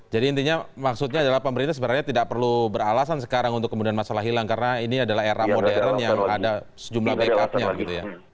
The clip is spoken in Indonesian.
jadi intinya maksudnya adalah pemerintah sebenarnya tidak perlu beralasan sekarang untuk kemudian masalah hilang karena ini adalah era modern yang ada sejumlah backup nya gitu ya